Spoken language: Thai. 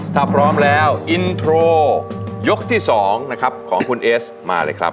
ถ้าพร้อมแล้วอินโทรยกที่๒นะครับของคุณเอสมาเลยครับ